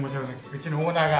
うちのオーナーが。